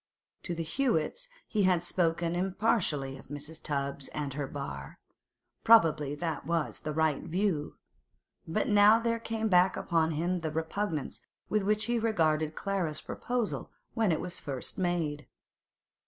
To the Hewetts he had spoken impartially of Mrs. Tubbs and her bar; probably that was the right view; but now there came back upon him the repugnance with which he had regarded Clara's proposal when it was first made.